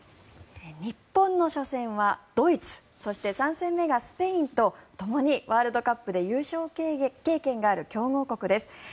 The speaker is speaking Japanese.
日本の初戦はドイツそして３戦目がスペインとともにワールドカップで優勝経験がある強豪国です。